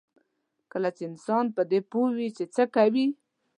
کله چې انسان په دې پوه وي چې څه کوي.